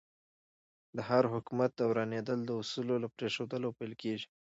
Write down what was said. د هر حکومت ورانېدل د اصولو له پرېښودلو پیل کېږي.